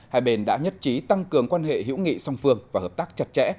hai bên đã nhất trí tăng cường quan hệ hữu nghị song phương và hợp tác chặt chẽ